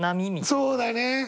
そうだね。